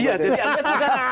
iya jadi anda sudah